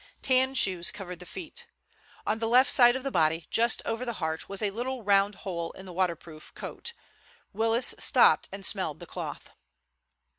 Tan shoes covered the feet. On the left side of the body just over the heart was a little round hole in the waterproof coat Willis stooped and smelled the cloth.